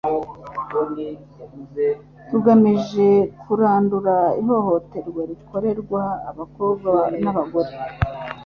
tugamije kurandura ihohoterwa rikorerwa abakobwa n'abagore.